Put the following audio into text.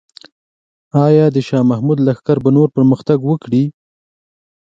آیا د شاه محمود لښکر به نور پرمختګ وکړي؟